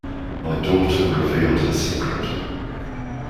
My daughter revealed her secret.